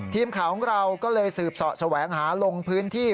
ทีมข่าวของเราก็เลยสืบเสาะแสวงหาลงพื้นที่